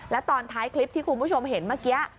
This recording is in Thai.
แล้วตอนท้ายคลิปที่คุณผู้ชมเห็นเมื่อกี้